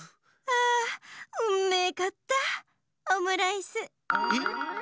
ああうんめえかったオムライス。